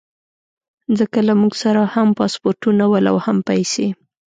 ځکه له موږ سره هم پاسپورټونه ول او هم پیسې.